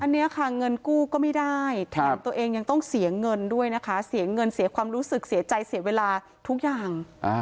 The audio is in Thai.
อันนี้ค่ะเงินกู้ก็ไม่ได้แถมตัวเองยังต้องเสียเงินด้วยนะคะเสียเงินเสียความรู้สึกเสียใจเสียเวลาทุกอย่าง